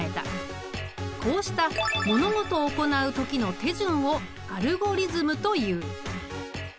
こうした物事を行う時の手順をアルゴリズムという。